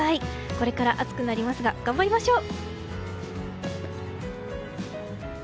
これから暑くなりますが頑張りましょう。